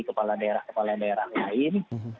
kepala daerah kepala daerah lain